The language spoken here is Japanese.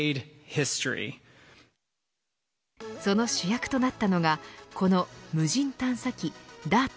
その主役となったのがこの無人探査機ＤＡＲＴ。